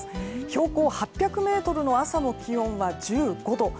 標高８００ｍの朝の気温は１５度。